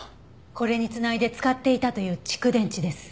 これに繋いで使っていたという蓄電池です。